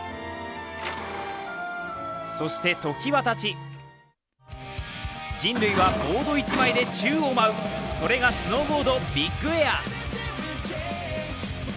そして時はたち、人類はボード１枚で宙を舞う、それがスノーボード・ビッグエア。